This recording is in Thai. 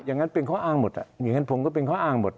งั้นเป็นข้ออ้างหมดอย่างนั้นผมก็เป็นข้ออ้างหมด